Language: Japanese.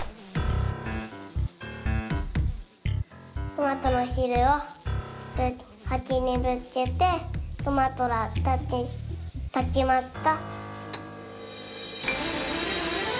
トマトのしるをハチにぶつけてトマトがかちました。